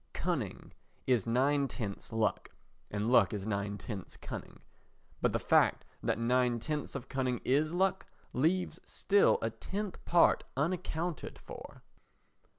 Cunning is nine tenths luck, and luck is nine tenths cunning; but the fact that nine tenths of cunning is luck leaves still a tenth part unaccounted for.